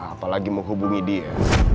apalagi menghubungi dia